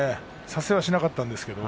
差せはしなかったんですけど。